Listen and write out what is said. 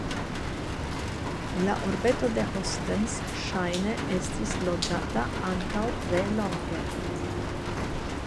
La urbeto de Hostens ŝajne estis loĝata antaŭ tre longe.